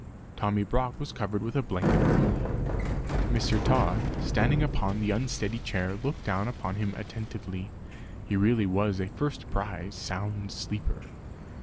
Tommy Brock was covered with a blanket only.) Mr. Tod standing on the unsteady chair looked down upon him attentively; he really was a first prize sound sleeper!